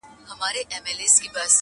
نور به نه کوم ګیلې له توره بخته؛